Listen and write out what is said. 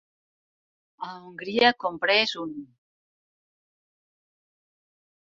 a Hongria comprés un